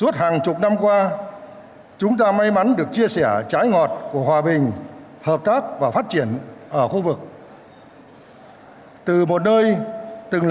thái bình dương